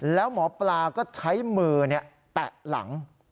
แล้วหมอปลาก็ใช้มือแตะหลัง